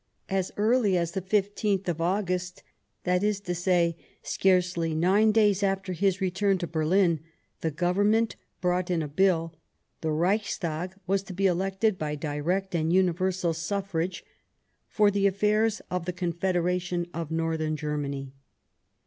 As early as the 15th of August, that is to say, scarcely nine days after his return to Berlin, the Government brought in a Bill : the Reichstag was to be elected by direct and universal suffrage, for the affairs of the Confederationof Northern Germany.